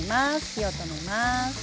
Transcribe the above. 火を止めます。